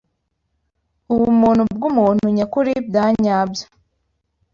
ubumuntu bw’umuntu nyakuri byanyabyo